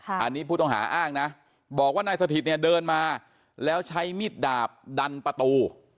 อันนี้ผู้ต้องหาอ้างนะบอกว่านายสถิตเนี่ยเดินมาแล้วใช้มิดดาบดันประตู